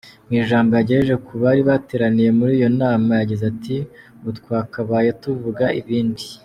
Mu ijambo yagejeje kubari bateraniye muri iyo nama yagize ati “Ubu twakabaye tuvuga ibindi.